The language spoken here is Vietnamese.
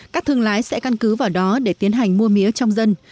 các thương lái sẽ căn cứ vào đó để tiến hành mua mía trong dân